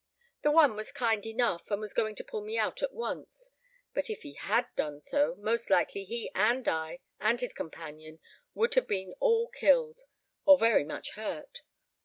The one was kind enough, and was going to pull me out at once; but if he had done so, most likely he and I and his companion would have been all killed, or very much hurt.